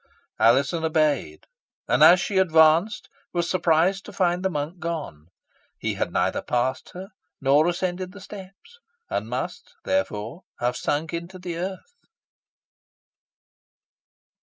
Alizon obeyed; and, as she advanced, was surprised to find the monk gone. He had neither passed her nor ascended the steps, and must, therefore, have sunk into the earth.